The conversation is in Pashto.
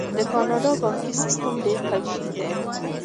د کاناډا بانکي سیستم ډیر قوي دی.